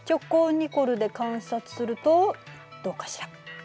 ニコルで観察するとどうかしら？